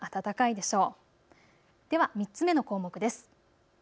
では３つ目の項目です。